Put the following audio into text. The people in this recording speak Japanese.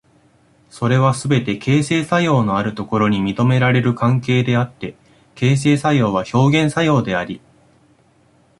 それはすべて形成作用のあるところに認められる関係であって、形成作用は表現作用であり、